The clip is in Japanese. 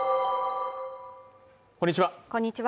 こんにちは